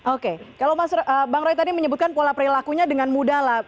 oke kalau bang roy tadi menyebutkan pola perilakunya dengan mudah lah